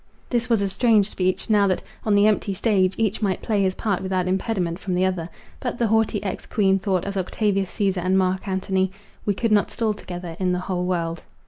This was a strange speech, now that, on the empty stage, each might play his part without impediment from the other. But the haughty Ex Queen thought as Octavius Cæsar and Mark Antony, We could not stall together In the whole world.